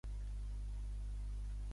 És la sortida del llac Balaton.